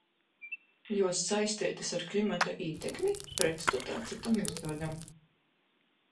Juos saisteitys ar klimata ītekmi, pretstotā cytom metodem.